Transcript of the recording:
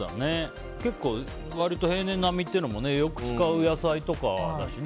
結構、割と平年並みというのはよく使う野菜とかだし。